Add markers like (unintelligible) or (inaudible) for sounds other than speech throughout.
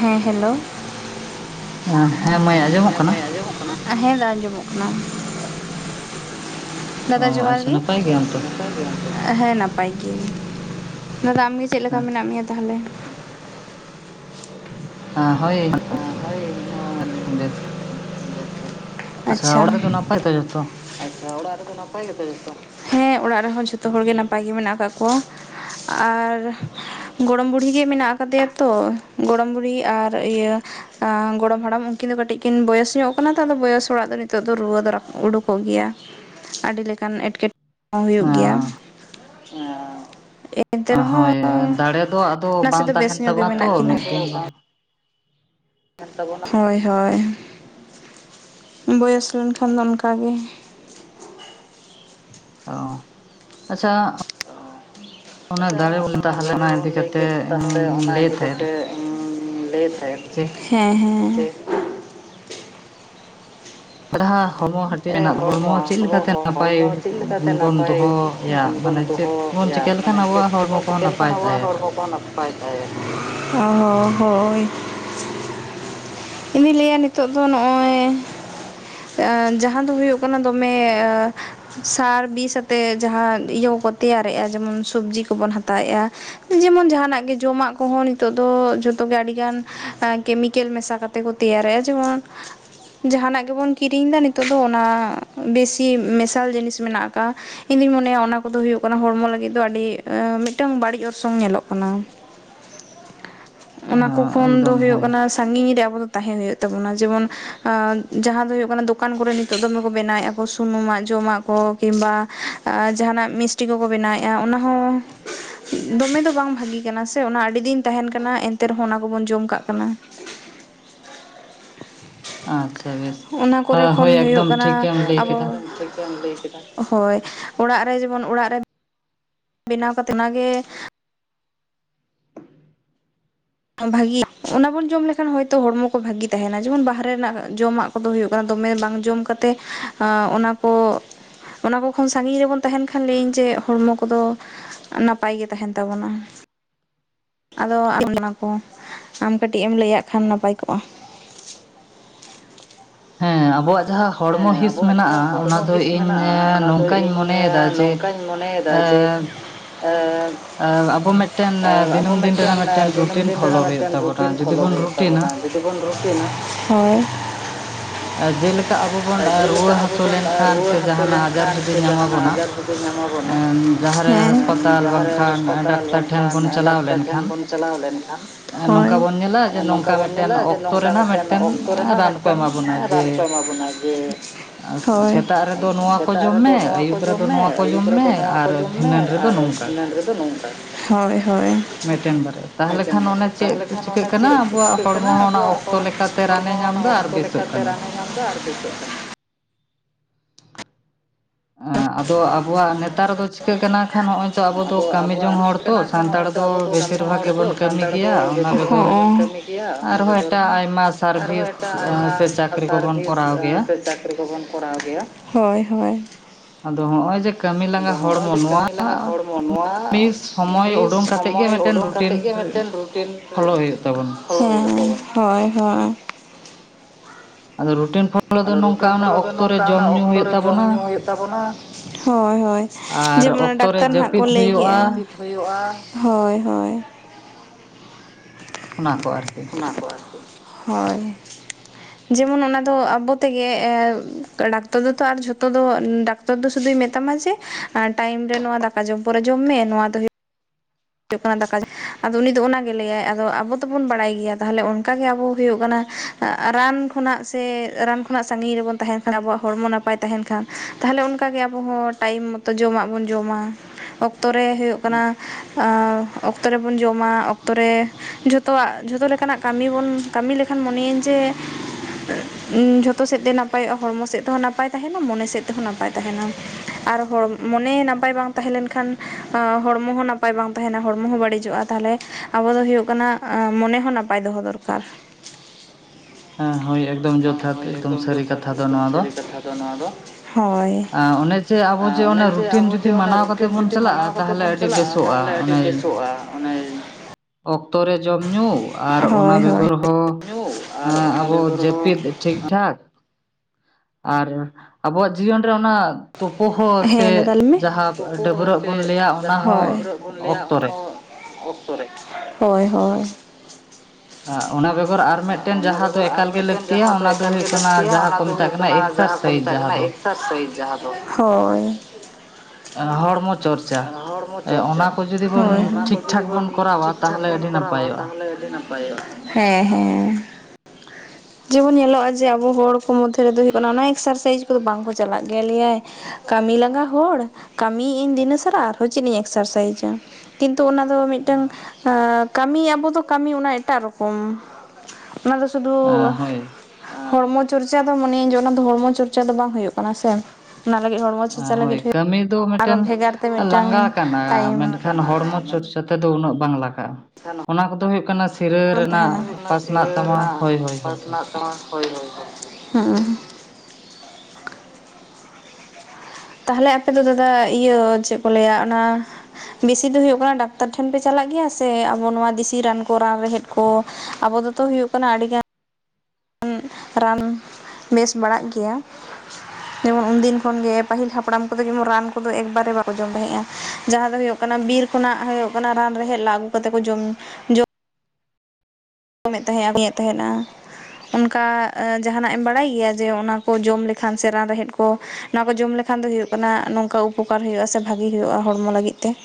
ᱦᱮᱸ, ᱦᱮᱞᱳ᱾ ᱦᱮᱸ ᱢᱟᱹᱭ ᱟᱸᱡᱚᱢᱚᱜ ᱦᱮᱸ ᱫᱟ ᱟᱸᱡᱚᱢᱚᱜ ᱠᱟᱱᱟ᱾ ᱫᱟᱫᱟ ᱡᱚᱦᱟᱨ ᱜᱮ (inaudible) ᱦᱮᱸ ᱱᱟᱯᱟᱭ ᱜᱮᱭᱟᱹᱧ ᱾ ᱫᱟᱫᱟ ᱟᱢᱜᱮ ᱪᱮᱫ ᱞᱮᱠᱟ ᱢᱮᱱᱟᱜ ᱢᱮᱭᱟ ᱛᱟᱦᱚᱞᱮ? ᱟᱸ ᱦᱳᱭ (inaudible) ᱦᱳᱭ ᱤᱧ ᱦᱚᱸ ᱱᱤᱛ ᱟᱪᱪᱷᱟ ᱾ ᱚᱲᱟᱜ ᱨᱮᱫᱚ ᱱᱟᱯᱟᱭ ᱜᱮᱛᱚ ᱡᱷᱚᱛᱚ? ᱦᱮᱸ ᱚᱲᱟᱜ ᱨᱮᱦᱚᱸ ᱡᱷᱚᱛᱚ ᱦᱚᱲ ᱜᱮ ᱱᱟᱯᱟᱭ ᱜᱮ ᱢᱮᱱᱟᱜ ᱠᱟᱜ ᱠᱚᱣᱟ ᱾ ᱟᱨ ᱜᱚᱲᱚᱢ ᱵᱩᱲᱦᱤ ᱜᱮ ᱢᱮᱱᱟᱜ ᱟᱠᱟᱫᱮᱭᱟ ᱛᱚ, ᱜᱚᱲᱚᱢ ᱵᱩᱲᱦᱤ ᱟᱨ ᱤᱭᱟᱹ ᱜᱚᱲᱚᱢ ᱦᱟᱲᱟᱢ ᱩᱱᱠᱤᱱ ᱫᱚ ᱠᱟᱹᱴᱤᱡ ᱠᱤᱱ ᱵᱚᱭᱚᱥ ᱧᱚᱜ ᱠᱟᱱᱟ ᱛᱚ, ᱟᱫᱚ ᱵᱚᱭᱚᱥ ᱛᱚ ᱟᱫᱚ ᱱᱤᱛᱚᱜ ᱫᱚ ᱨᱩᱣᱟᱹ ᱫᱚ ᱩᱰᱩᱠᱚᱜ ᱜᱮᱭᱟ ᱟᱹᱰᱤ ᱞᱮᱠᱟᱱ ᱮᱴᱠᱮᱴ ᱦᱩᱭᱩᱜ ᱜᱮᱭᱟ ᱾ ᱮᱸ ᱮᱱᱛᱮ ᱨᱮᱦᱚᱸ ᱱᱟᱥᱮ ᱫᱚ ᱵᱮᱥ ᱧᱚᱜ ᱜᱮ ᱢᱮᱱᱟᱜ ᱠᱤᱱᱟᱹ ᱾ ᱦᱳᱭ ᱦᱳᱭ ᱵᱚᱭᱚᱥ ᱞᱮᱱᱠᱷᱟᱱ ᱫᱚ ᱚᱱᱠᱟᱜᱮ ᱾ ᱚᱸ, ᱟᱪᱪᱷᱟ ᱚᱱᱟ ᱫᱟᱲᱮ ᱵᱚᱞᱮ ᱛᱟᱦᱚᱞᱮ ᱚᱱᱟ ᱤᱫᱤ ᱠᱟᱛᱮ ᱞᱟᱹᱭ ᱮᱫ ᱛᱟᱦᱮᱸᱫ ᱤᱧ ᱞᱟᱹᱭ ᱮᱫ ᱛᱟᱦᱮᱸᱫ ᱾ ᱡᱮ ᱦᱮᱸ ᱦᱮᱸ ᱻ ᱮᱸ ᱦᱚᱲᱢᱚ ᱟᱵᱚ ᱦᱚᱲᱢᱚ ᱪᱮᱫ ᱞᱮᱠᱟᱛᱮ ᱱᱟᱯᱟᱭ ᱵᱚᱱ ᱫᱚᱦᱚᱭᱟ, ᱢᱟᱱᱮ ᱪᱮᱫ ᱵᱚᱱ ᱪᱤᱠᱟᱹ ᱞᱮᱠᱷᱟᱱ ᱟᱵᱚᱣᱟᱜ ᱦᱚᱲᱢᱚ ᱠᱚᱦᱚ ᱱᱟ (unintelligible) (unintelligible) ᱚ ᱦᱚ ᱦᱳᱭ ᱾ ᱩᱱᱤ ᱞᱟᱹᱭᱟ ᱱᱤᱛᱚᱜ ᱫᱚ ᱱᱚᱜᱼᱚᱭ ᱮᱸ ᱡᱟᱦᱟᱸ ᱫᱚ ᱦᱩᱭᱩᱜ ᱠᱟᱱᱟ ᱫᱚᱢᱮ ᱥᱟᱨ ᱵᱤᱥ ᱟᱛᱮᱫ ᱡᱟᱦᱟᱸ ᱤᱭᱟᱹ ᱠᱚᱠᱚ ᱛᱮᱭᱟᱨᱮᱫᱼᱟ ᱡᱮᱢᱚᱱ ᱥᱚᱵᱡᱤ ᱠᱚᱵᱚᱱ ᱦᱟᱛᱟᱣᱮᱫᱼᱟ ᱡᱮᱢᱚᱱ ᱡᱟᱦᱟᱱᱟᱜ ᱜᱮ ᱡᱚᱢᱟᱜ ᱠᱚᱦᱚᱸ ᱱᱤᱛᱚᱜ ᱫᱚ ᱡᱚᱛᱚ ᱜᱮ ᱟᱹᱰᱤᱜᱟᱱ ᱟᱸ ᱠᱮᱢᱤᱠᱮᱞ ᱢᱮᱥᱟ ᱠᱟᱛᱮ ᱛᱮᱠᱚ ᱛᱮᱭᱟᱨᱮᱜᱼᱟ, ᱡᱮᱢᱚᱱ ᱡᱟᱦᱟᱸᱱᱟᱜ ᱜᱮᱵᱚᱱ ᱠᱤᱨᱤᱧ ᱮᱫᱟ ᱱᱤᱛᱚᱜ ᱫᱚ ᱚᱱᱟ ᱵᱮᱥᱤ ᱢᱮᱥᱟᱞ ᱡᱤᱱᱤᱥ ᱢᱮᱱᱟᱜ ᱟᱠᱟᱜ-ᱟ ᱾ ᱤᱧ ᱫᱩᱧ ᱢᱚᱱᱮᱭᱟ ᱚᱱᱟ ᱠᱚᱫᱚ ᱦᱩᱭᱩᱜ ᱠᱟᱱᱟ ᱦᱚᱲᱢᱚ ᱞᱟᱹᱜᱤᱫ ᱫᱚ ᱟᱹᱰᱤ, ᱢᱤᱫᱴᱟᱝ ᱵᱟᱹᱲᱤᱡ ᱚᱨᱥᱚᱝ ᱧᱮᱞᱚᱜ ᱠᱟᱱᱟ᱾ (unintelligible) ᱚᱱᱟ ᱠᱚ ᱠᱷᱚᱱ ᱫᱚ ᱦᱩᱭᱩᱜ ᱠᱟᱱᱟ ᱥᱟᱹᱜᱤᱧ ᱨᱮ ᱟᱵᱚ ᱫᱚ ᱛᱟᱦᱮᱸ ᱦᱩᱭᱩᱜ ᱛᱟᱵᱚᱱᱟ ᱡᱮᱢᱚᱱ ᱟᱸ ᱡᱟᱦᱟᱸ ᱫᱚ ᱦᱩᱭᱩᱜ ᱠᱟᱱᱟ ᱫᱚᱠᱟᱱ ᱠᱚᱨᱮ ᱱᱤᱛᱚᱜ ᱫᱚᱢᱮ ᱠᱚ ᱵᱮᱱᱟᱣᱮᱫᱼᱟ ᱠᱚ ᱥᱩᱱᱩᱢᱟᱜ ᱡᱚᱢᱟᱜ ᱠᱤᱢᱵᱟ ᱡᱟᱦᱟᱱᱟᱜ ᱢᱤᱥᱴᱤ ᱠᱚᱠᱚ ᱵᱮᱱᱟᱣᱮᱜᱼᱟ ᱚᱱᱟ ᱦᱚᱸ ᱫᱚᱢᱮ ᱫᱚ ᱵᱟᱝ ᱵᱷᱟᱹᱜᱤ ᱠᱟᱱᱟ ᱥᱮ ᱚᱱᱟ ᱟᱹᱰᱤ ᱫᱤᱱ ᱛᱟᱦᱮᱱ ᱠᱟᱱᱟ, ᱮᱱᱛᱮ ᱨᱮᱦᱚᱸ ᱚᱱᱟ ᱠᱚᱵᱚᱱ ᱡᱚᱢ ᱠᱟᱜ ᱠᱟᱱᱟ ᱾ ᱟᱪᱪᱷᱟ ᱵᱮᱥ ᱾ ᱚᱱᱟ ᱠᱚᱨᱮ ᱠᱷᱚᱱ ᱦᱩᱭᱩᱜ ᱠᱟᱱᱟ ᱟᱵᱚ ᱦᱳᱭ ᱚᱲᱟᱜ ᱨᱮ ᱡᱮᱢᱚᱱ ᱚᱲᱟᱜ ᱨᱮ ᱵᱮᱱᱟᱣ ᱠᱟᱛᱮ ᱚᱱᱟᱜ ᱜᱮ ᱵᱷᱟᱜᱤᱭᱟ, ᱚᱱᱟ ᱵᱚᱱ ᱡᱚᱢ ᱞᱮᱠᱷᱟᱱ ᱦᱚᱭᱛᱳ ᱦᱚᱲᱢᱚ ᱠᱚ ᱵᱷᱟᱜᱤ ᱛᱟᱦᱮᱱᱟ ᱡᱮᱢᱚᱱ ᱵᱟᱦᱨᱮ ᱨᱮᱱᱟᱜ ᱡᱚᱢᱟᱜ ᱠᱚᱫᱚ ᱦᱩᱭᱩᱜ ᱠᱟᱱᱟ ᱫᱚᱢᱮ ᱵᱟᱝ ᱡᱚᱢ ᱠᱟᱛᱮ ᱚᱱᱟ ᱠᱚ ᱚᱱᱟ ᱠᱚ ᱠᱷᱚᱱ ᱥᱟᱺᱜᱤᱧ ᱨᱮᱵᱚᱱ ᱛᱟᱦᱮᱱ ᱠᱷᱟᱱ ᱞᱟᱹᱭᱟᱹᱧ ᱡᱮ ᱦᱚᱲᱢᱚ ᱠᱚᱫᱚ ᱱᱟᱯᱟᱭ ᱜᱮ ᱛᱟᱦᱮᱱ ᱛᱟᱵᱚᱱᱟ ᱾ ᱟᱫᱚ ᱟᱢ (unintelligible) ᱚᱱᱟᱠᱚ ᱟᱢ ᱠᱟᱹᱴᱤᱡ ᱮᱢ ᱞᱟᱹᱭᱟᱜ ᱠᱷᱟᱱ ᱱᱟᱯᱟᱭ ᱠᱚᱜᱼᱟ᱾ ᱦᱮᱸ ᱟᱵᱚᱣᱟᱜ ᱡᱟᱦᱟᱸ ᱦᱚᱲᱢᱚ ᱦᱤᱸᱥ ᱢᱮᱱᱟᱜᱼᱟ ᱚᱱᱟ ᱫᱚ ᱤᱧ ᱱᱚᱝᱠᱟᱧ ᱢᱚᱱᱮᱭᱮᱫᱟ ᱡᱮ ᱚᱱᱠᱟᱧ ᱢᱚᱱᱮᱭᱮᱫᱟ ᱡᱮ ᱟᱺᱻ ᱟᱵᱚ ᱢᱤᱫᱴᱮᱱ ᱫᱤᱱᱟᱹᱢ ᱫᱤᱱ ᱨᱮᱱᱟᱜ ᱢᱤᱫᱴᱮᱱ ᱨᱩᱴᱤᱱ ᱯᱷᱳᱞᱳ ᱦᱩᱭᱩᱜ ᱛᱟᱵᱚᱱᱟ ᱡᱩᱫᱤ ᱵᱚᱱ ᱨᱩᱴᱤᱱᱟ, (inaudible) ᱦᱳᱭ (unintelligible) (inaudible) ᱡᱮᱞᱮᱠᱟ ᱟᱵᱚ ᱵᱚᱱ ᱨᱩᱣᱟᱹ ᱦᱟᱥᱚ ᱞᱮᱱᱠᱷᱟᱱ ᱥᱮ ᱡᱟᱦᱟᱱᱟᱜ ᱟᱡᱟᱨ (inaudible) ᱧᱟᱢᱟ ᱵᱚᱱᱟ ᱡᱟᱦᱟᱸᱨᱮ ᱦᱟᱥᱯᱟᱛᱟᱞ ᱵᱟᱝᱠᱷᱟᱱ ᱰᱟᱠᱛᱟᱨ ᱴᱷᱮᱱ ᱵᱚᱱ ᱪᱟᱞᱟᱣ ᱞᱮᱱᱠᱷᱟᱱ, ᱦᱳᱭ, ᱱᱚᱝᱠᱟ ᱵᱚᱱ ᱧᱮᱞᱟ ᱱᱚᱝᱠᱟ ᱢᱤᱫᱴᱮᱱ ᱚᱠᱛᱚ ᱨᱮᱱᱟᱜ ᱢᱤᱫᱴᱮᱱ ᱨᱟᱱ ᱠᱚ ᱮᱢᱟ ᱵᱚᱱᱟ, ᱡᱮ ᱦᱳᱭ, ᱥᱮᱛᱟᱜ ᱨᱮᱫᱚ ᱱᱚᱣᱟ ᱠᱚ ᱡᱚᱢ ᱢᱮ ᱟᱹᱭᱩᱵ ᱨᱮᱫᱚ ᱱᱚᱣᱟ ᱠᱚ ᱡᱚᱢ ᱢᱮ ᱟᱨ (inaudible) ᱨᱮᱫᱚ ᱱᱚᱝᱠᱟ᱾ ᱦᱳᱭ ᱦᱳᱭ᱾ (inaudible) ᱛᱟᱦᱚᱞᱮ ᱠᱷᱟᱱ ᱚᱱᱮ ᱪᱮᱫ ᱪᱤᱠᱟᱹ ᱠᱟᱱᱟ (inaudible) ᱦᱚᱲᱢᱚ ᱦᱚᱸ ᱚᱠᱛᱚ ᱞᱮᱠᱟᱛᱮ ᱨᱟᱱ ᱧᱟᱱ ᱫᱟ ᱟᱨ ᱵᱮᱥᱚᱜᱼᱟ᱾ ᱟᱫᱚ ᱟᱵᱚᱣᱟᱜ ᱱᱮᱛᱟᱨ ᱫᱚ ᱪᱤᱠᱟᱹᱜ ᱠᱟᱱᱟ ᱠᱷᱟᱱ ᱱᱚᱜᱼᱚᱭ ᱟᱵᱚ ᱫᱚ ᱠᱟᱹᱢᱤ ᱡᱚᱝ ᱦᱚᱲ ᱛᱚ ᱥᱟᱱᱛᱟᱲ ᱫᱚ ᱵᱮᱥᱤᱨ ᱵᱷᱟᱜᱽ ᱜᱮᱵᱚᱱ ᱠᱟᱹᱢᱤ ᱜᱮᱭᱟ, ᱚᱱᱟ ᱵᱮᱜᱚᱨ ᱟᱨᱦᱚᱸ ᱮᱴᱟᱜ ᱟᱭᱢᱟ ᱥᱟᱨᱵᱷᱤᱥ ᱥᱮ ᱪᱟᱹᱠᱨᱤ ᱠᱚᱵᱚᱱ ᱠᱚᱨᱟᱣ ᱜᱮᱭᱟ᱾ ᱪᱟᱹᱠᱨᱤ ᱠᱚᱵᱚᱱ ᱠᱚᱨᱟᱣ ᱜᱮᱭᱟ, ᱦᱳᱭ ᱦᱳᱭ᱾ ᱟᱫᱚ ᱦᱚᱸᱜᱼᱚᱭ ᱡᱮ ᱠᱟᱹᱢᱤ ᱞᱟᱸᱜᱟ ᱦᱚᱲᱢᱚ ᱱᱚᱣᱟ ᱥᱚᱢᱚᱭ ᱩᱰᱩᱝ ᱠᱟᱛᱮ ᱜᱮ ᱢᱤᱫᱴᱮᱱ ᱨᱩᱴᱤᱱ ᱯᱷᱚᱞᱚ ᱦᱩᱭᱩᱜ ᱛᱟᱵᱚᱱ᱾ (unintelligible) ᱦᱮᱸ ᱦᱳᱭ ᱦᱳᱭ ᱟᱫᱚ ᱨᱩᱴᱤᱱ ᱯᱷᱚ ᱟᱫᱚ ᱨᱩᱴᱤᱱ ᱯᱷᱚᱞ ᱫᱚ ᱱᱚᱝᱠᱟ ᱚᱠᱛᱚ ᱨᱮ ᱡᱚᱢ ᱧᱩ ᱦᱩᱭᱩᱜ ᱛᱟᱵᱚᱱᱟ᱾ ᱦᱳᱭ ᱦᱳᱭ᱾ ᱡᱮᱢᱚᱱ ᱰᱟᱠᱛᱟᱨ ᱱᱟᱸᱜ ᱠᱚ ᱞᱟᱹᱭ ᱜᱮᱼᱟ᱾ ᱦᱳᱭ ᱦᱳᱭ᱾ ᱚᱱᱟ ᱠᱚ ᱟᱨᱠᱤ᱾ (unintelligible) ᱦᱳᱭ᱾ ᱡᱮᱢᱚᱱ ᱚᱱᱟ ᱫᱚ ᱟᱵᱚ ᱛᱮᱜᱮ ᱰᱟᱠᱛᱚᱨ ᱫᱚᱛᱚ ᱟᱨ ᱡᱷᱚᱛᱚ ᱫᱚ ᱰᱟᱠ ᱛᱚᱨ ᱫᱚ ᱥᱩᱫᱷᱩᱭ ᱢᱮᱛᱟᱢᱟ ᱡᱮ ᱴᱟᱭᱤᱢ ᱨᱮ ᱱᱚᱣᱟ ᱫᱟᱠᱟ ᱡᱚᱢ ᱯᱚᱨᱮ ᱡᱚᱢ ᱢᱮ ᱱᱚᱣᱟ ᱫᱚ ᱦᱩᱭᱩᱜ ᱦᱩᱭᱩᱜ ᱠᱟᱱᱟ ᱫᱟᱠᱟ ᱟᱫᱚ ᱩᱱᱤ ᱫᱚ ᱚᱱᱟᱜᱮ ᱞᱟᱹᱭᱟᱭ, ᱟᱫᱚ ᱟᱵᱚ ᱫᱚᱵᱚᱱ ᱵᱟᱲᱟᱭ ᱜᱮᱭᱟ ᱛᱟᱦᱚᱞᱮ ᱚᱱᱠᱟᱜᱮ ᱟᱵᱚ ᱦᱩᱭᱩᱜ ᱠᱟᱱᱟ, ᱨᱟᱱ ᱠᱷᱚᱱᱟᱜ ᱥᱮ ᱨᱟᱱ ᱠᱷᱚᱱᱟᱜ ᱥᱟᱺᱜᱤᱧ ᱨᱮᱵᱚᱱ ᱛᱟᱦᱮᱱ ᱠᱷᱟᱱ ᱟᱵᱚᱣᱟᱜ ᱦᱚᱲᱢᱚ ᱱᱟᱯᱟᱭ ᱛᱟᱦᱮᱱ ᱠᱷᱟᱱ, ᱛᱟᱦᱞᱮ ᱚᱱᱠᱟᱜᱮ ᱟᱵᱚᱦᱚᱸ ᱴᱟᱭᱤᱢ ᱢᱚᱛᱚ ᱡᱚᱢᱟᱜ ᱵᱚᱱ ᱡᱚᱢᱟ᱾ ᱚᱠ ᱛᱚ ᱨᱮ ᱦᱩᱭᱩᱜ ᱠᱟᱱᱟ, ᱟ ᱚᱠᱛᱚ ᱨᱮᱵᱚᱱ ᱡᱚᱢᱟ ᱚᱠᱛᱚ ᱨᱮ ᱡᱷᱚᱛᱚᱣᱟᱜ ᱡᱷᱚᱛᱚ ᱞᱮᱠᱟᱱᱟᱜ ᱠᱟᱹᱢᱤ ᱵᱚᱱ ᱠᱟᱹᱢᱤ ᱞᱮᱠᱷᱟᱱ ᱢᱚᱱᱮᱭᱟᱹᱧ ᱡᱮ ᱡᱷᱚᱛᱚ ᱥᱮᱫ ᱛᱮ ᱱᱟᱯᱟᱭᱚᱜᱼᱟ, ᱦᱚᱲᱢᱚ ᱥᱮᱫ ᱛᱮᱦᱚᱸ ᱱᱟᱯᱟᱭ ᱛᱟᱦᱮᱱᱟ ᱢᱚᱱᱮ ᱥᱮᱫ ᱛᱮᱦᱚᱸ ᱱᱟᱯᱟᱭ ᱛᱟᱦᱮᱱᱟ, ᱟᱨ ᱦᱚᱲ ᱢᱚᱱᱮ ᱱᱟᱯᱟᱭ ᱵᱟᱝ ᱛᱟᱦᱮᱸ ᱞᱮᱱᱠᱷᱟᱱ ᱦᱚᱲᱢᱚ ᱦᱚᱸ ᱱᱟ ᱯᱟᱭ ᱵᱟᱝ ᱛᱟᱦᱮᱱᱟ ᱦᱚᱲᱢᱚ ᱦᱚᱸ ᱵᱟᱹᱲᱤᱡᱚᱜᱼᱟ ᱛᱟᱦᱮ ᱟᱵᱚ ᱫᱚ ᱦᱩᱭᱩᱜ ᱠᱟᱱᱟ ᱢᱚᱱᱮ ᱦᱚᱸ ᱱᱟᱯᱟᱭ ᱫᱚᱦᱚ ᱫᱚᱨᱠᱟᱨ᱾ ᱦᱳᱭ ᱮᱠᱫᱚᱢ ᱡᱚᱛᱷᱟᱛ ᱮᱠᱫᱚᱢ ᱥᱟᱹᱨᱤ ᱠᱟᱛᱷᱟ ᱫᱚ ᱱᱚᱣᱟ ᱫᱚ (unintelligible) ᱦᱳᱭ᱾ ᱚᱱᱮ ᱡᱮ ᱟᱵᱚ ᱡᱮ ᱚᱱᱟ ᱨᱩᱴᱤᱱ ᱡᱩᱫᱤ ᱢᱟᱱᱟᱣ ᱠᱟᱛᱮ ᱵᱚᱱ ᱪᱟᱞᱟᱜᱼᱟ ᱛᱟᱦᱚᱞᱮ ᱟᱹᱰᱤ ᱵᱮᱥᱚᱜᱼᱟ᱾ ᱚᱱᱮ ᱚᱠᱛᱚ ᱨᱮ ᱡᱚᱢ ᱧᱩ ᱟᱨ ᱚᱱᱟ ᱵᱮᱜᱚᱨ ᱦᱚᱸ ᱟᱸᱜ ᱟᱵᱚ ᱡᱟᱹᱯᱤᱫ ᱴᱷᱤᱠ ᱴᱷᱟᱠ ᱟᱨ ᱟᱵᱚᱣᱟᱜ ᱡᱤᱭᱚᱱ ᱨᱮ ᱚᱱᱟ ᱛᱳᱯᱳ ᱦᱚᱸ ᱥᱮ ᱡᱟᱦᱟᱸ ᱰᱟᱹᱵᱽᱨᱟᱹᱜ ᱵᱚᱱ ᱞᱟᱹᱭᱟ ᱚᱱᱟ ᱦᱚᱸ ᱚᱠᱛᱚ ᱨᱮ ᱦᱳᱭ ᱦᱳᱭ᱾ ᱚᱱᱟ ᱵᱮᱜᱚᱨ ᱟᱨ ᱢᱤᱫᱴᱮᱱ ᱡᱟᱦᱟᱸ ᱫᱚ ᱮᱠᱟᱞ ᱜᱮ ᱞᱟᱹᱠᱛᱤᱭᱟ ᱚᱱᱟ ᱫᱚ ᱦᱩᱭᱩᱜ ᱠᱟᱱᱟ ᱡᱟᱦᱟᱸ ᱠᱚ ᱢᱮᱛᱟᱜ ᱠᱟᱱᱟ ᱮᱠᱥᱟᱨ ᱥᱟᱹᱭᱤᱡ ᱡᱟᱦᱟ ᱫᱚ᱾ ᱮᱠᱥᱟᱨᱥᱟᱭᱤᱡ ᱡᱟᱦᱟ ᱫᱚ, ᱦᱳᱭ᱾ ᱦᱚᱲᱢᱚ ᱪᱚᱨᱪ ᱦᱚᱲᱢᱚ ᱪᱚᱨᱪᱟ, ᱚᱱᱟ ᱠᱚ ᱡᱩᱫᱤ ᱵᱚᱱ ᱴᱷᱤᱠᱴᱷᱟᱠ ᱵᱚᱱ ᱠᱚᱨᱟᱣᱟ ᱛᱟᱦᱚᱞᱮ ᱟᱹᱰᱤ ᱱᱟ ᱯᱟᱭᱚᱜᱼᱟ᱾ ᱦᱮᱸ ᱦᱮᱸ᱾ ᱡᱮᱵᱚᱱ ᱧᱮᱞᱚᱜᱼᱟ ᱡᱮ ᱟᱵᱚ ᱦᱚᱲ ᱠᱚ ᱢᱚᱫᱽᱫᱷᱮ ᱨᱮᱫᱚ ᱦᱩᱭᱩᱜ ᱠᱟᱱᱟ ᱚᱱᱟ ᱮᱠᱥᱟᱨᱥᱟᱭᱤᱡᱽ ᱠᱚᱫᱚ ᱵᱟᱝᱠᱚ ᱪᱟᱞᱟᱜ ᱜᱮᱭᱟ, ᱞᱮᱭᱟᱭ ᱠᱟᱹᱢᱤ ᱞᱟᱸᱜᱟ ᱦᱚᱲ ᱠᱟᱹᱢᱤᱭᱮᱫ ᱤᱧ ᱫᱤᱱᱟᱹᱥᱟᱨᱟ ᱟᱨᱦᱚᱸ ᱪᱮᱫ ᱤᱧ ᱮᱠᱥᱟᱨᱥᱟᱭᱤᱡᱟ᱾ ᱠᱤᱱᱛᱩ ᱚᱱᱟ ᱫᱚ ᱢᱤᱫᱴᱟᱝ ᱠᱟᱹᱢᱤ ᱟᱵᱚ ᱫᱚ ᱠᱟᱹᱢᱤ ᱚᱱᱟ ᱮᱴᱟᱜ ᱨᱚᱠᱚᱢ᱾ ᱚᱱᱟ ᱫᱚ ᱥᱩᱫᱩ ᱟᱸ ᱦᱳᱭ᱾ ᱦᱚᱲᱢᱚ ᱪᱚᱨᱪᱟ ᱫᱚ ᱢᱚᱱᱮᱭᱟᱹᱧ ᱡᱮ ᱚᱱᱟ ᱫᱚ ᱦᱚᱲᱢᱚ ᱪᱚᱨᱪᱟ ᱫᱚ ᱵᱟᱝ ᱦᱩᱭᱩᱜ ᱠᱟᱱᱟ ᱥᱮ᱾ ᱚᱱᱟ ᱞᱟᱹᱜᱤᱫ ᱦᱚᱲᱢᱚ ᱪᱚᱨᱪᱟ ᱞᱟᱹᱜᱤᱫ ᱦᱳ ᱠᱟᱹᱢᱤ ᱫᱚ, ᱟᱨᱚ ᱵᱷᱮᱜᱟᱨ ᱛᱮ ᱢᱤᱫᱴᱟᱝ ᱴᱟᱭᱤᱢ (unintelligible) ᱡᱟᱛᱮ ᱫᱚ ᱩᱱᱟᱹᱜ ᱵᱟᱝ ᱞᱟᱜᱟᱜᱼᱟ ᱾ ᱚᱱᱟ ᱠᱚᱫᱚ ᱦᱩᱭᱩᱜ ᱠᱟᱱᱟ ᱥᱤᱨᱟᱹ ᱨᱮᱱᱟᱜ ᱯᱟᱥᱱᱟᱜ ᱛᱟᱢᱟ ᱾ ᱦᱳᱭ ᱦᱳᱭ ᱦᱳᱭ, ᱦᱳᱭ ᱦᱳᱭ, ᱦᱩᱸᱻ ᱛᱟᱦᱚᱞᱮ ᱟᱯᱮ ᱫᱚ ᱫᱟᱫᱟ ᱤᱭᱟᱹ ᱪᱮᱫ ᱠᱚ ᱞᱟᱹᱭᱟ ᱚᱱᱟ ᱵᱮᱥᱤ ᱫᱚ ᱦᱩᱭᱩᱜ ᱠᱟᱱᱟ ᱰᱟᱠᱛᱟᱨ ᱴᱷᱮᱱ ᱯᱮ ᱪᱟᱞᱟᱜ ᱜᱮᱭᱟ ᱥᱮ ᱟᱵᱚ ᱱᱚᱣᱟ ᱫᱤᱥᱤ ᱨᱟᱱ ᱠᱚ ᱨᱟᱱ ᱨᱮᱦᱮᱫ ᱠᱚ (inaudible) ᱟᱵᱚ ᱫᱚᱛᱚ ᱦᱩᱭᱩᱜ ᱠᱟᱱᱟ ᱟᱹᱰᱤᱜᱟᱱ ᱨᱟᱱ ᱵᱮᱥ ᱵᱟᱲᱟᱜ ᱜᱮᱭᱟ ᱾ (inaudible) ᱡᱮᱢᱚᱱ ᱩᱱᱫᱤᱱ ᱠᱷᱚᱱ ᱜᱮ ᱯᱟᱹᱦᱤᱞ ᱦᱟᱯᱲᱟᱢ ᱠᱚᱫᱚ ᱡᱮᱢᱚᱱ ᱨᱟᱱ ᱠᱚᱫᱚ ᱮᱠᱵᱟᱨᱮ ᱵᱟᱠᱚ ᱡᱚᱢ ᱛᱟᱦᱮᱸᱜᱼᱟ ᱡᱟᱦᱟᱸ ᱫᱚ ᱦᱩᱭᱩᱜ ᱵᱤᱨ ᱠᱷᱚᱱᱟᱜ ᱦᱩᱭᱩᱜ ᱠᱟᱱᱟ ᱨᱟᱱ ᱨᱮᱦᱮᱫ ᱞᱟ ᱟᱜᱩ ᱠᱟᱛᱮ ᱠᱚ ᱡᱚᱢ ᱡᱚᱢ ᱢᱮᱫ ᱛᱟᱦᱮᱸᱭᱟ ᱡᱚᱢᱮᱫ ᱛᱟᱦᱮᱱᱟ ᱾ ᱚᱱᱠᱟ ᱡᱟᱦᱟᱱᱟᱜ ᱮᱢ ᱵᱟᱲᱟᱭ ᱜᱮᱭᱟ ᱡᱮ ᱚᱱᱟ ᱠᱚ ᱡᱚᱢ ᱞᱮᱠᱷᱟᱱ ᱥᱮ ᱨᱟᱱ ᱨᱮᱦᱮᱫ ᱠᱚ ᱱᱚᱣᱟ ᱠᱚ ᱡᱚᱢ ᱞᱮᱠᱷᱟᱱ ᱫᱚ ᱦᱩᱭᱩᱜ ᱠᱟᱱᱟ ᱱᱚᱝᱠᱟ ᱩᱯᱚᱠᱟᱨ ᱦᱩᱭᱩᱜᱼᱟ, ᱥᱮ ᱵᱷᱟᱜᱤ ᱦᱩᱭᱩᱜᱼᱟ, ᱦᱚᱲᱢᱚ ᱞᱟᱹᱜᱤᱫ ᱛᱮ ᱾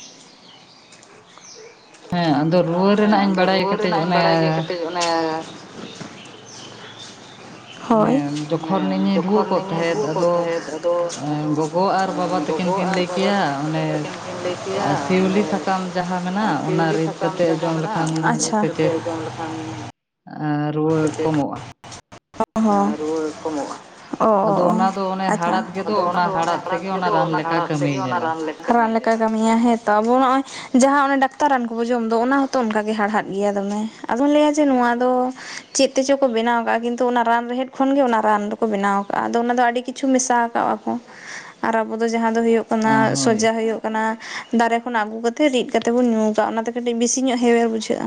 ᱦᱟᱸ-ᱦᱮᱸ ᱟᱫᱚ ᱨᱩᱣᱟᱹ ᱨᱮᱱᱟᱜ ᱤᱧ ᱵᱟᱲᱟᱭ ᱜᱮᱭᱟ ᱠᱟᱹᱴᱤᱡ ᱚᱱᱮ (inaudible) ᱚ (unintelligible) ᱚᱱᱮ ᱡᱚᱠᱷᱚᱱ ᱤᱧᱤᱧ ᱨᱩᱣᱟᱹ ᱠᱚᱜ ᱛᱟᱦᱮᱸᱫ ᱟᱫᱚ ᱜᱚᱜᱚ ᱟᱨ ᱵᱟᱵᱟ ᱛᱮᱠᱤᱱ ᱠᱤᱱ ᱞᱟᱹᱭ ᱠᱮᱭᱟ ᱚᱱᱮ ᱥᱤᱣᱞᱤ ᱥᱟᱠᱟᱢ ᱡᱟᱦᱟᱸ ᱢᱮᱱᱟᱜ ᱚᱱᱟ ᱨᱤᱫ ᱠᱟᱛᱮ ᱡᱚᱢ ᱞᱮᱠᱷᱟᱱ ᱥᱮᱼᱪᱮᱫ ᱨᱩᱣᱟᱹ ᱠᱚᱢᱚᱜᱼᱟ᱾ (inaudible) (unintelligible) ᱨᱩᱣᱟᱹ ᱠᱚᱢᱚᱜᱼᱟ᱾ ᱚᱼ ᱚᱼ ᱚᱜ ᱟᱪᱪᱷᱟ, ᱟᱫᱚ ᱚᱱᱟ ᱫᱚ ᱚᱱᱮ ᱦᱟᱲᱦᱟᱫ ᱜᱮᱫᱚ, ᱚᱱᱟ ᱦᱟᱲᱦᱟᱜ ᱥᱮᱜᱮ ᱚᱱᱟ ᱨᱟᱱ ᱞᱮᱠ ᱾ ᱨᱟᱱ ᱞᱮᱠᱟᱭ ᱠᱟᱹᱢᱤ ᱭᱟᱭ ᱦᱮᱸᱛᱚ ᱟᱵᱚ ᱱᱚᱜᱼᱚᱭ ᱡᱟᱦᱟᱸ ᱚᱱᱮ ᱰᱟᱠᱛᱟᱨ ᱨᱟᱱ ᱠᱚᱵᱚᱱ ᱡᱚᱢ ᱫᱚ ᱚᱱᱟ ᱦᱚᱸᱛᱚ ᱚᱱᱠᱟᱜᱮ ᱦᱟᱲᱦᱟᱫ ᱜᱮᱭᱟ ᱫᱚᱢᱮ, ᱟᱫᱚᱢ ᱞᱟᱹᱭᱟ ᱡᱮ ᱱᱚᱣᱟ ᱫᱚ ᱪᱮᱫ ᱛᱮᱪᱚ ᱠᱚ ᱵᱮᱱᱟᱣ ᱟᱠᱟᱟᱜᱼᱟ ᱠᱤᱱᱛᱩ ᱚᱱᱟ ᱨᱟᱱ ᱨᱮᱦᱮᱫ ᱠᱷᱚᱱ ᱜᱮ ᱚᱱᱟ ᱨᱟᱱ ᱫᱚᱠᱚ ᱵᱮᱱᱟᱣ ᱟᱠᱟᱜᱼᱟ᱾ ᱟᱫᱚ ᱚᱱᱟ ᱫᱚ ᱟᱹᱰᱤ ᱠᱤᱪᱷ ᱪᱷᱩ ᱢᱮᱥᱟ ᱟᱠᱟᱫᱼᱟᱠᱚ᱾ ᱟᱨ ᱟᱵᱚ ᱫᱚ ᱡᱟᱦᱟᱸ ᱫᱚ ᱦᱳᱭᱩᱜ ᱠᱟᱱᱟ ᱥᱚᱡᱷᱟ ᱦᱳᱭᱩᱜ ᱠᱟᱱᱟ ᱫᱟᱨᱮ ᱠᱷᱚᱱ ᱟᱹᱜᱩ ᱠᱟᱛᱮ ᱨᱤᱫ ᱠᱟᱛᱮ ᱵᱩᱱ ᱧᱩ ᱠᱟᱜᱼᱟ ᱚᱱᱟᱛᱮ ᱠᱟᱹᱴᱤᱡ ᱵᱤᱥᱤ ᱧᱚᱜ ᱦᱮᱣᱮᱨ ᱵᱩᱡᱷᱟᱹᱜᱼᱟ᱾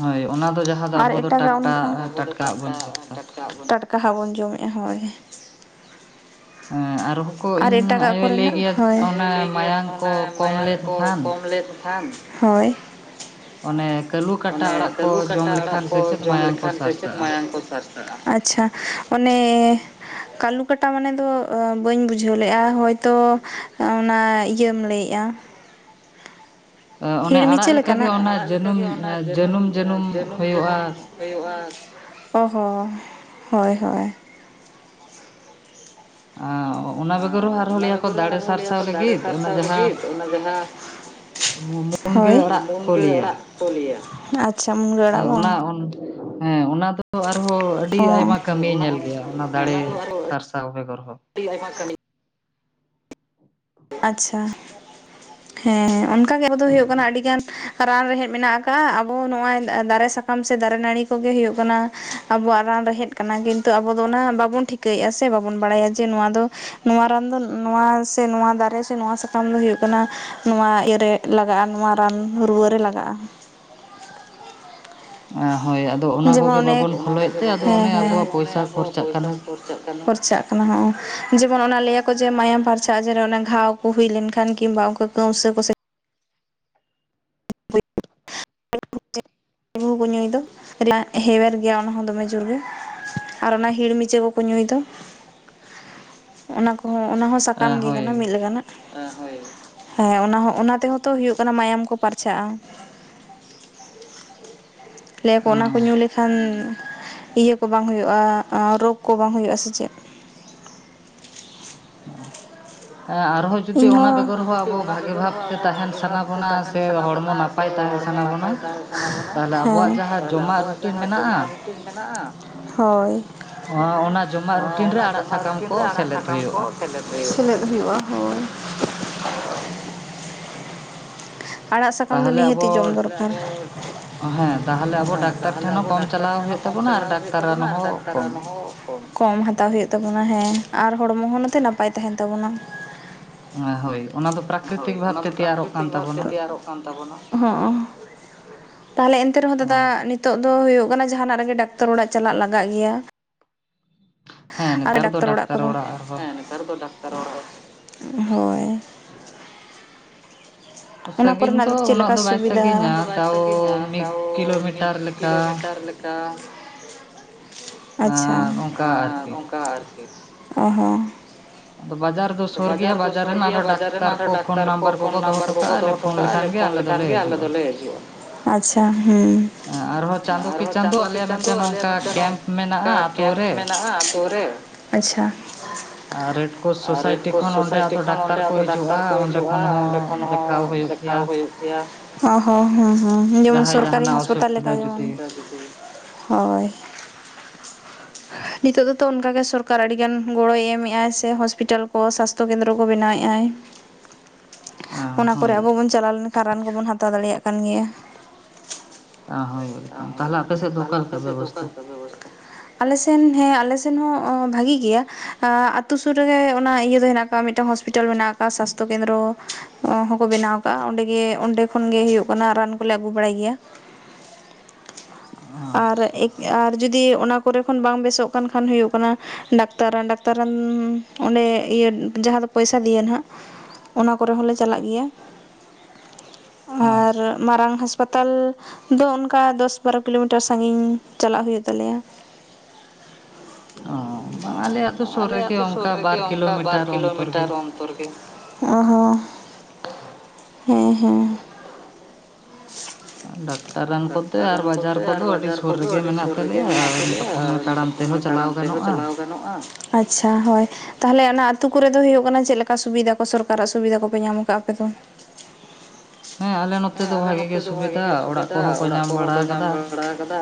ᱦᱳᱭ ᱚᱱᱟ ᱫᱚ ᱡᱟᱦᱟᱸ ᱫᱚ ᱟᱵᱚ ᱫᱚ ᱴᱟᱠᱴᱟ ᱴᱟᱴᱠᱟ ᱦᱟᱜ ᱵᱚᱱ ᱡᱚᱢ ᱮᱫᱟ ᱾ ᱪᱟᱜ ᱵᱚᱱ, ᱴᱟᱴᱠᱟ ᱦᱟᱜ ᱵᱚᱱ ᱡᱚᱢᱮᱜᱼᱟ ᱦᱳᱭ ᱾ ᱮᱸᱻᱜ ᱟᱨ ᱮᱴᱟᱜᱟᱜ ᱠᱚᱨᱮᱱᱟᱜ ᱦᱳᱭ, ᱟᱡ ᱦᱚᱸᱭ ᱞᱟ. ᱭ ᱜᱮᱭᱟᱭ ᱡᱮ ᱚᱱᱟ ᱢᱟᱭᱟᱝ ᱠᱚ ᱡᱚᱢ ᱞᱮᱫ ᱠᱷᱟᱱ ᱾ ᱦᱳᱭ ᱾ ᱚᱱᱮ ᱠᱟᱹᱞᱩ ᱠᱟᱴᱟ ᱟᱲᱟᱜ ᱠᱳ ᱾ ᱟᱹᱞᱩ ᱠᱟᱴᱟ ᱟᱲᱟᱜ ᱠᱳ ᱡᱚᱢ ᱞᱮᱠᱷᱟᱱ ᱥᱮ ᱼ ᱪᱮᱫ? ᱢᱟᱭᱟᱝ ᱠᱚ ᱥᱟᱨᱥᱟᱜᱼᱟ ᱾ ᱟᱪᱪᱷᱟ ᱚᱱᱮ ᱠᱟᱞᱩ ᱠᱟᱴᱟ ᱢᱟᱱᱮ ᱫᱚ ᱵᱟᱹᱧ ᱵᱩᱡᱷᱟᱹᱣ ᱞᱮᱜᱼᱟ ᱾ ᱦᱳᱭ ᱛᱚ ᱚᱱᱟ ᱤᱭᱟᱹᱢ ᱞᱟᱹᱭ ᱮᱫᱼᱟ ᱾ ᱦᱤᱲᱢᱤᱪᱟᱹ ᱞᱮᱠᱟᱱᱟᱜ ᱾ ᱟᱲᱟᱜ ᱞᱮᱠᱟᱜᱮ ᱚᱱᱟ ᱡᱟᱱᱩᱢ ᱮᱜ ᱡᱟᱱᱩᱢ ᱡᱟᱱᱩᱢ ᱦᱩᱭᱩᱜᱼᱟ ᱚᱦᱚ ᱦᱚᱭ ᱦᱚᱭ ᱟᱸ ᱚᱱᱟ ᱵᱮᱜᱚᱨ ᱦᱚᱸ ᱟᱨᱦᱚᱸ ᱞᱟᱹᱭ ᱟᱠᱚ ᱫᱟᱲᱮ ᱥᱟᱨᱥᱟᱣ ᱞᱟᱹᱜᱤᱫ ᱚᱱᱟ ᱡᱟᱦᱟᱸᱼᱼ ᱢᱩ ᱢᱩ ᱢᱩᱱᱜᱟᱹ ᱟᱲᱟᱜ ᱠᱚ ᱞᱟᱹᱭᱟ᱾ ᱠᱚ ᱞᱟᱹᱭᱟ ᱦᱮᱸ ᱟᱪ ᱦᱮᱸ ᱚᱱᱟ ᱚᱱ ᱦᱮᱸ ᱚᱱᱟ ᱫᱚ ᱦᱚ ᱟᱨᱦᱚᱸ ᱟᱹᱰᱤ ᱟᱭᱢᱟ ᱠᱟᱹᱢᱤ ᱧᱮᱞ ᱜᱮᱭᱟ ᱚᱱᱟ ᱫᱟᱲᱮ ᱥᱟᱨᱥᱟ ᱵᱮᱜᱚᱨ ᱦᱚ ᱾ ᱟᱹᱰᱤ ᱟᱭᱢᱟ ᱠᱢᱢᱤ ᱾ ᱟᱪᱪᱷᱟ ᱦᱮᱸ ᱦᱮᱸ ᱚᱱᱠᱟᱜ ᱜᱮ ᱟᱵᱚ ᱫᱚ ᱦᱩᱭᱩᱜ ᱠᱟᱱᱟ ᱟᱹᱰᱤ ᱜᱟᱱ ᱨᱟᱱ ᱨᱮᱦᱮᱜ ᱢᱮᱱᱟᱜ ᱟᱠᱟᱜᱼᱟ ᱟᱵᱚ ᱱᱚᱭᱟ ᱫᱟᱨᱮ ᱥᱟᱠ ᱠᱟᱢ ᱥᱮ ᱫᱟᱨᱮ ᱱᱟᱹᱲᱤ ᱠᱚᱜᱮ ᱦᱩᱭᱩᱜ ᱠᱟᱱᱟ, ᱟᱵᱚᱣᱟᱜ ᱨᱟᱱ ᱨᱮᱦᱮᱫ ᱠᱟᱱᱟ ᱠᱤᱱᱛᱩ ᱟᱵᱚ ᱫᱚ ᱚᱱᱟ ᱵᱟᱵᱩᱱ ᱴᱷᱤᱠ ᱠᱟᱹᱭᱮᱜᱼᱟ ᱥᱮ ᱵᱟᱵᱚᱱ ᱵᱟᱲᱟᱭᱟ ᱡᱮ ᱱᱚᱣᱟ ᱫᱚ ᱱᱚᱣᱟ ᱨᱟᱱ ᱫᱚ ᱱᱚᱣᱟᱼᱼ ᱛᱮ ᱱᱚᱣᱟ ᱫᱟᱨᱮ ᱥᱮ ᱱᱚᱣᱟ ᱥᱟᱠᱟᱢ ᱫᱚ ᱦᱩᱭᱩᱜ ᱠᱟᱱᱟ ᱾ ᱱᱚᱣᱟ ᱤᱭᱟᱹᱨᱮ ᱞᱟᱜᱟᱜᱼᱟ ᱱᱚᱣᱟ ᱨᱟᱱ ᱨᱩᱣᱟᱹ ᱨᱮ ᱞᱟᱜᱟᱜᱼᱟ ᱚ ᱦᱳᱭ ᱟ ᱡᱮᱢᱚᱱ ᱚᱱᱮ, ᱦᱮᱸ ᱦᱮᱸ, ᱟᱵᱚ ᱯᱚᱭᱥᱟ ᱠᱷᱚᱨᱪᱟᱜ ᱠᱷᱚᱨᱪᱟᱜ ᱠᱟᱱᱟ ᱦᱚᱸ ᱡᱮᱢᱚᱱ ᱚᱱᱟ ᱞᱟᱹᱭᱟᱠᱚ ᱡᱮ ᱢᱟᱭᱟᱢ ᱯᱷᱟᱨᱪᱟᱜᱮ ᱜᱷᱟᱣ ᱠᱚ ᱦᱩᱭ ᱞᱮᱱᱠᱷᱟᱱ ᱠᱤᱝᱵᱟ ᱩᱱᱠᱩ (unintelligible) ᱛᱚᱵᱩ ᱠᱚ ᱧᱩᱭ ᱫᱚ ᱞᱟᱡ ᱦᱮᱣᱮᱨ ᱜᱮᱭᱟ ᱚᱱᱟᱦᱚᱸ ᱫᱚᱢᱮ ᱡᱳᱨ ᱜᱮ᱾ ᱟᱨ ᱚᱱᱟ ᱦᱤᱲ ᱢᱤᱪᱷᱟᱹ ᱠᱚᱠᱚ ᱧᱩᱭ ᱫᱚ, ᱚᱱᱟ ᱚ ᱚᱱᱟ ᱦᱚᱸ ᱥᱟᱠᱟᱢ ᱜᱮ ᱠᱟᱱᱟ ᱢᱤᱫ ᱞᱮᱠᱟᱱᱟᱜ᱾ ᱦᱮᱸ ᱚᱱᱟ ᱦᱚᱸ ᱚᱱᱟ ᱛᱮᱦᱚᱸ ᱛᱚ ᱦᱩᱭᱩᱜ ᱠᱟᱱᱟ ᱢᱟᱭᱟᱢ ᱠᱚ ᱯᱟᱨᱪᱷᱟᱜᱼᱟ᱾ ᱞᱟᱹᱭᱟᱠᱚ ᱚᱱᱟ ᱠᱚ ᱧᱩ ᱞᱮᱠᱷᱟᱱ ᱤᱭᱟᱹ ᱠᱚ ᱵᱟᱝ ᱦᱩᱭᱩᱜᱼᱟ, ᱨᱳᱜ ᱠᱚ ᱵᱟᱝ ᱦᱩᱭᱩᱜᱼᱟ ᱥᱮ ᱪᱮᱫ᱾ ᱦᱮᱸ ᱟᱨᱦᱚᱸ ᱤᱧᱦᱚᱸ, ᱟᱵᱚ ᱡᱩᱫᱤ ᱚᱱᱟ ᱵᱮᱜᱚᱨ ᱦᱚᱸ ᱟᱵᱚ ᱵᱷᱟᱜᱤ ᱵᱷᱟᱵᱛᱮ ᱛᱟᱦᱮᱱ ᱥᱟᱱᱟ ᱵᱚᱱᱟ ᱥᱮ ᱦᱚᱲᱢᱚ ᱱᱟᱯᱟᱭ ᱛᱟᱸᱦᱮᱱ ᱦᱮᱸ, ᱛᱟᱦᱚᱞᱮ ᱟᱵᱚᱣᱟᱜ ᱡᱟᱦᱟᱸ ᱡᱚᱢᱟᱜ ᱨᱩᱴᱤᱝ ᱢᱮᱱᱟᱜᱼᱟ ᱦᱳᱭ, ᱚᱱᱟ ᱡᱚᱢᱟᱜ ᱨᱩᱴᱤᱱ ᱨᱮ ᱟᱲᱟᱜ ᱥᱟᱠᱟᱢ ᱠᱚ ᱥᱮᱞᱮᱫ ᱥᱮᱞᱮᱫ ᱦᱩᱭᱩᱜᱼᱟ, ᱦᱚᱭ ᱾ ᱟᱲᱟᱜ ᱥᱟᱠᱟᱢ ᱫᱚ ᱱᱤᱦᱟᱹᱛ ᱡᱚᱢ ᱫᱚᱨᱠᱟᱨ᱾ ᱦᱮᱸ ᱛᱟᱦᱚᱞᱮ ᱟᱵᱚ ᱰᱟᱠᱛᱟᱨ ᱴᱷᱮᱱ ᱦᱚᱸ ᱠᱚᱢ ᱪᱟᱞᱟᱣ ᱦᱩᱭᱩᱜ ᱛᱟᱵᱚᱱᱟ ᱟᱨ ᱰᱟᱠᱛᱟᱨᱟᱱ ᱦᱚᱸ ᱠᱚᱢ᱾ ᱠᱚᱢ ᱦᱟᱛᱟᱣ ᱦᱩᱭᱩᱜ ᱛᱟᱵᱚᱱᱟ ᱦᱮᱸ ᱟᱨ ᱦᱚᱲᱢᱚ ᱦᱚᱸ ᱱᱚᱛᱮ ᱱᱟᱯᱟᱭ ᱛᱟᱸᱦᱮᱱ ᱛᱟᱵᱚᱱᱟ᱾ ᱦᱳᱭ ᱚᱱᱟ ᱫᱚ ᱯᱨᱟᱠᱨᱤᱛᱤᱠ ᱵᱷᱟᱵᱛᱮ ᱛᱮᱭᱟᱨᱚᱜ ᱠᱟᱱ ᱛᱟᱵᱚᱱᱟ᱾ ᱯᱷᱳᱱ ᱛᱟᱵᱚᱱᱟ, ᱚᱼᱦᱚᱸᱻ (inaudible) ᱛᱟᱦᱞᱮ ᱮᱱᱛᱮ ᱨᱮᱦᱚᱸ ᱫᱟᱫᱟ ᱱᱤᱛᱚᱜ ᱫᱚ ᱦᱩᱭᱩᱜ ᱠᱟᱱᱟ ᱡᱟᱦᱟᱱᱟᱜ ᱨᱮᱜᱮ ᱰᱟᱠᱛᱟᱨ ᱚᱲᱟᱜ ᱪᱟᱞᱟᱜ ᱞᱟᱜᱟᱜ ᱜᱮᱭᱟ ᱾ ᱦᱢᱼ ᱟᱨ ᱰᱟᱠᱛᱟᱨ ᱚᱲᱟᱜ ᱠᱚᱫᱚ ᱦᱮᱸ ᱱᱮᱛᱟᱨ ᱫᱚ ᱰᱟᱠᱛᱟᱨ ᱚᱲᱟᱜ ᱜᱮ, ᱦᱳᱭ ᱾ ᱚᱱᱟ ᱠᱚᱨᱮᱱᱟᱜ ᱫᱚ ᱪᱮᱫ ᱞᱮᱠᱟ ᱥᱩᱵᱤᱫᱷᱟ ᱦᱟ (inaudible) ᱰᱷᱮᱨ ᱫᱚ ᱵᱟᱝ ᱥᱟᱜᱤᱧᱟ ᱢᱤᱫ ᱠᱤᱞᱳᱢᱤᱴᱟᱨ ᱞᱮᱠᱟ ᱾ ᱛᱟᱼ, (inaudible) ᱟᱪᱪᱷᱟ, ᱟᱨ ᱚᱱᱠᱟ ᱟᱨ ᱠᱟ. ᱡ ᱾ ᱚᱼ ᱦᱚ ᱾ ᱵᱟᱡᱟᱨ ᱫᱚ ᱥᱩᱨ ᱜᱮᱭᱟ ᱵᱟᱡᱟᱨ ᱨᱮᱱᱟᱜ ᱰᱟᱠᱛᱟᱨ ᱠᱚ ᱯᱷᱳᱱ ᱱᱟᱢᱵᱟᱨ ᱫᱚᱦᱚ ᱦᱚᱴᱚ ᱠᱟᱜᱼᱟ ᱞᱮ ᱯᱷᱳᱱ ᱞᱮᱠᱷᱟᱱ ᱜᱮ ᱟᱞᱮ ᱫᱚᱞᱮ ᱦᱤᱡᱩᱜᱼᱟ ᱾ ᱟᱪᱪᱷᱟ ᱦᱮᱸ, ᱟᱨᱦᱚᱸ ᱪᱟᱸᱫᱚ ᱠᱮ ᱪᱟᱸᱫᱚ ᱟᱞᱮᱭᱟᱜ ᱢᱤᱫᱴᱟᱸᱝ ᱠᱮᱢᱯ ᱢᱮᱱᱟᱜᱼᱟ ᱾ ᱠᱟ ᱟᱛᱳ ᱨᱮ, ᱟᱪᱪᱷᱟ (inaudible) (inaudible) ᱟᱨ ᱨᱮᱰ ᱠᱨᱳᱥ ᱥᱳᱥᱟᱭᱴᱤ ᱠᱷᱚᱱ ᱚᱸᱰᱮ ᱟᱫᱚ ᱰᱟᱠᱛᱟᱨ ᱠᱚ ᱦᱤᱡᱩᱜᱼᱟ ᱚᱸᱰᱮ ᱠᱷᱚᱱ ᱦᱚᱸ ᱫᱮᱠᱷᱟᱣ ᱦᱩᱭᱩᱜ ᱜᱮᱭᱟ ᱾ ᱚᱼ ᱦᱚᱸ ᱦᱮᱸ ᱦᱮᱸ ᱡᱮᱢᱚᱱ ᱥᱚᱨᱠᱟᱨᱤ ᱦᱟᱸᱥᱯᱟᱛᱟᱞ ᱞᱮᱠᱟ ᱡᱮᱢᱚᱱ ᱾ ᱦᱳᱭ, (inaudible) ᱱᱤᱛᱚᱜ ᱫᱚᱛᱚ ᱚᱱᱠᱟᱜ ᱜᱮ ᱥᱚᱨᱠᱟᱨ ᱟᱹᱰᱤᱜᱟᱱ ᱜᱚᱲᱚᱭ ᱮᱢᱼᱮᱫᱟᱭ ᱥᱮ ᱦᱚᱥᱯᱤᱴᱟᱞ ᱠᱚ ᱥᱟᱥᱛᱷᱚ ᱠᱮᱱᱫᱨᱚ ᱠᱚ ᱵᱮᱱᱟᱣ ᱮᱫᱼᱟᱭ ᱚᱱᱟ ᱠᱚᱨᱮ ᱟᱵᱚ ᱵᱚᱱ ᱪᱟᱞᱟᱣ ᱞᱮᱱᱠᱷᱟᱱ ᱨᱟᱱ ᱠᱚᱵᱚᱱ ᱦᱟᱛᱟᱣ ᱫᱟᱲᱮᱭᱟᱜ ᱠᱟᱱ ᱜᱮᱭᱟ᱾ ᱚ ᱦᱳᱭ ᱮᱠᱫᱚᱢ ᱛᱟᱦᱞᱮ ᱟᱯᱮ ᱥᱮᱫ ᱫᱚ ᱚᱠᱟ ᱞᱮᱠᱟ ᱵᱮᱵᱚᱥᱛᱷᱟ? ᱟᱞᱮᱥᱮᱱ ᱦᱮᱸ ᱟᱞᱮᱥᱮᱱ ᱦᱚᱸ ᱵᱷᱟᱹᱜᱤ ᱜᱮᱭᱟ ᱟᱛᱩ ᱥᱩᱨ ᱨᱮᱜᱮ ᱚᱱᱟ ᱤᱭᱟᱹ ᱫᱚ ᱦᱮᱱᱟᱜ ᱚᱱᱠᱟ ᱢᱤᱫᱴᱟᱝ ᱦᱚᱥᱯᱤᱴᱟᱞ ᱢᱮᱱᱟᱜ ᱟᱠᱟᱫᱟ ᱥᱟᱥᱛᱷᱚ ᱠᱮᱱᱫᱨᱚ ᱦᱚᱸᱦᱚᱠᱚ ᱵᱮᱱᱟᱣ ᱠᱟᱜᱼᱟ ᱚᱸᱰᱮᱜᱮ ᱚᱸᱰᱮ ᱠᱷᱚᱱᱜᱮ ᱦᱩᱭᱩᱜ ᱠᱟᱱᱟ ᱨᱟᱱ ᱠᱚᱞᱮ ᱟᱹᱜᱩ ᱵᱟᱲᱟᱭ ᱜᱮᱭᱟ᱾ (inaudible) ᱟᱨ ᱮᱠ ᱟᱨ ᱡᱩᱫᱤ ᱚᱱᱟ ᱠᱚᱨᱮ ᱠᱷᱚᱱ ᱵᱟᱝ ᱵᱮᱥᱚᱜ ᱠᱟᱱ ᱠᱷᱟᱱ ᱦᱩᱭᱩᱜ ᱠᱟᱱᱟ ᱰᱟᱠᱛᱟᱨ ᱨᱟᱱ ᱰᱟᱠᱛᱟᱨ ᱨᱟᱱ ᱚᱸᱰᱮ ᱤᱭᱟᱹ ᱡᱟᱦᱟᱸ ᱫᱚ ᱯᱚᱭᱥᱟ ᱫᱤᱭᱮ ᱱᱟᱦᱟᱸᱜ ᱚᱱᱟ ᱠᱚᱨᱮ ᱦᱚᱸᱞᱮ ᱪᱟᱞᱟᱜ ᱜᱮᱭᱟ ᱟᱨ ᱢᱟᱨᱟᱝ ᱦᱟᱥᱯᱟᱛᱟᱞ ᱫᱚ ᱚᱱᱠᱟ ᱫᱚᱥ ᱵᱟᱨᱚ ᱠᱤᱞᱳᱢᱤᱴᱟᱨ ᱥᱟᱺᱜᱤᱧ ᱪᱟᱞᱟᱜ ᱦᱩᱭᱩᱜ ᱛᱟᱞᱮᱭᱟ᱾ (inaudible) ᱚ ᱵᱟᱝ ᱟᱞᱮᱭᱟᱜ ᱫᱚ ᱥᱩᱨ ᱨᱮᱜᱮ ᱚᱱᱠᱟ ᱵᱟᱨ ᱠᱤᱞᱳᱢᱤᱴᱟᱨ ᱚᱱᱛᱚᱨ ᱜᱮ ᱚ ᱦᱚ ᱦᱮᱸ ᱦᱮᱸ ᱰᱟᱠᱛᱟᱨ ᱨᱟᱱ ᱠᱚᱛᱮ ᱟᱨ ᱵᱟᱡᱟᱨ ᱠᱚᱫᱚ ᱟᱹᱰᱤ ᱥᱩᱨ ᱨᱮᱜᱮ ᱢᱮᱱᱟᱜ ᱛᱟᱞᱮᱭᱟ ᱟ ᱛᱟᱲᱟᱢ ᱛᱮᱦᱚᱸ ᱪᱟᱞᱟᱣ ᱜᱟᱱᱚᱜᱼᱟ ᱟᱪᱪᱷᱟ ᱦᱳᱭ ᱛᱟᱦᱚᱞᱮ ᱚᱱᱟ ᱟᱹᱛᱩ ᱠᱚᱨᱮ ᱫᱚ ᱦᱩᱭᱩᱜ ᱠᱟᱱᱟ ᱪᱮᱫ ᱞᱮᱠᱟ ᱥᱩᱵᱤᱫᱟ ᱠᱚ ᱥᱚᱨᱠᱟᱨᱟᱜ ᱥᱩᱵᱤᱫᱟ ᱠᱚᱯᱮ ᱧᱟᱢᱟ? ᱟᱯᱮ ᱫᱚ ᱦᱮᱸ ᱟᱞᱮ ᱱᱚᱛᱮ ᱫᱚ ᱵᱷᱟᱜᱤ ᱜᱮ ᱥᱩᱵᱤᱫᱟ ᱚᱲᱟᱜ ᱠᱚᱦᱚᱸ ᱠᱚ ᱧᱟᱢ ᱵᱟᱲᱟ ᱠᱟᱫᱟ᱾